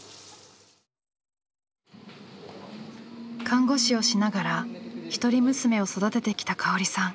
看護師をしながら一人娘を育ててきた香織さん。